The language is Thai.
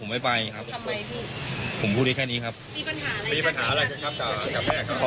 ไม่อยากพูดแล้วตอนนี้ต่อให้พูดละมาก